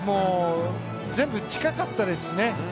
全部、近かったですしね。